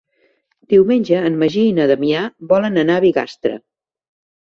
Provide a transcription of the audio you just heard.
Diumenge en Magí i na Damià volen anar a Bigastre.